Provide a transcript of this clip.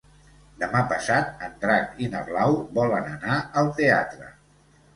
Demà passat en Drac i na Blau volen anar al teatre.